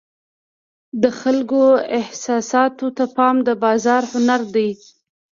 د خلکو احساساتو ته پام د بازار هنر دی.